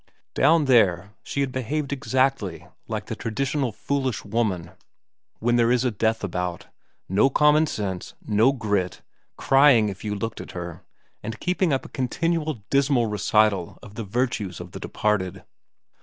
Down there she had behaved exactly like the traditional foolish woman when o 82 VERA vrn there is a death about, no common sense, no grit, crying if you looked at her, and keeping up a continual dismal recital of the virtues of the departed.